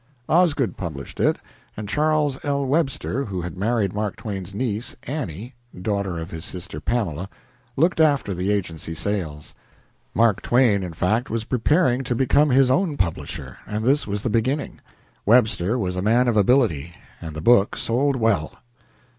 Osgood published it, and Charles L. Webster, who had married Mark Twain's niece, Annie (daughter of his sister Pamela), looked after the agency sales. Mark Twain, in fact, was preparing to become his own publisher, and this was the beginning. Webster was a man of ability, and the book sold well.